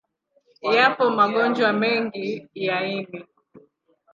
Yapo magonjwa mengi ya ini.